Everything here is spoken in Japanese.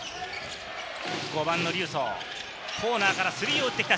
５番のリュウ・ソウ、コーナーからスリーを打ってきた。